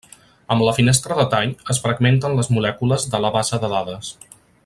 Amb la finestra de tall, es fragmenten les molècules de la base de dades.